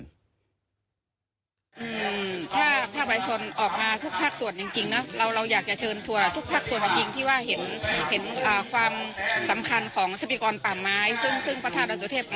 ถ้าภาคบายชนออกมาทุกภาคส่วนจริงนะ